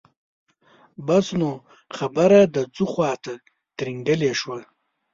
بس نو خبره د ځو خواته ترینګلې شوه.